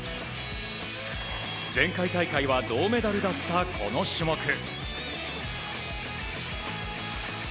前回大会は銅メダルだったこの種目。